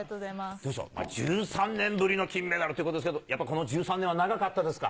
どうでしょう、１３年ぶりの金メダルということですけど、やっぱこの１３年は長かったですか？